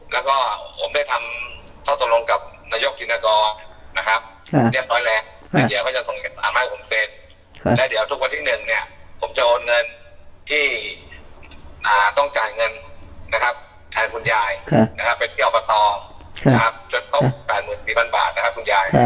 ที่ต้องจ่ายเงินนะครับแทนคุณยายเป็นเดี๋ยวไปต่อจนต้อง๘๔๐๐๐บาทนะครับคุณยาย